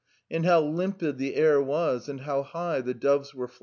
And how clear the air was, and how high the doves soared !